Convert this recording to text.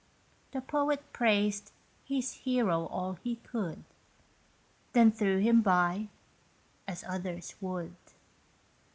The poet praised his hero all he could, Then threw him by, as others would.